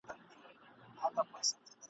د ښايسته ستورو آسمان